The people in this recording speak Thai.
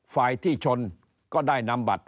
ฝ่ายที่ชนก็ได้นำบัตร